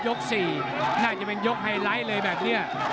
๔น่าจะเป็นยกไฮไลท์เลยแบบนี้